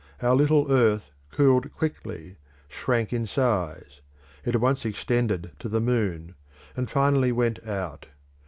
Our little earth cooled quickly, shrank in size it had once extended to the moon and finally went out.